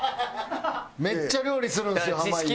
めっちゃ料理するんですよ濱家。